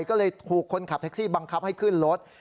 ก็เลยถูกคนขับแท็กซี่บังคับให้ขึ้นรถ